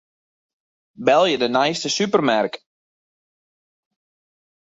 Belje de neiste supermerk.